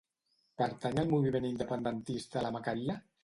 Pertany al moviment independentista la Macaria?